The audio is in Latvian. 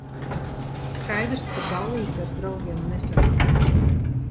Skaidrs, ka ballīte ar draugiem nesanāks.